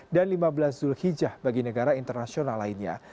dan lima belas julhijjah bagi negara internasional lainnya